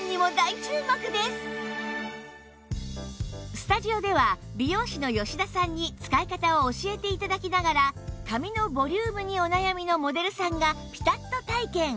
スタジオでは美容師の吉田さんに使い方を教えて頂きながら髪のボリュームにお悩みのモデルさんがピタット体験